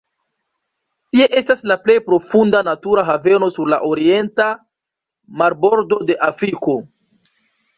Tie estas la plej profunda natura haveno sur la orienta marbordo de Afriko.